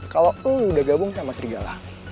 kalau udah gabung sama serigala